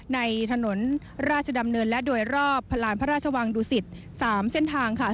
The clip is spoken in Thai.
ในถนนราชดำเนินและโดยรอบพลานพระราชวังดุสิต๓เส้นทางค่ะ